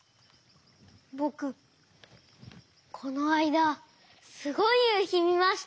ぼくこのあいだすごいゆうひみました！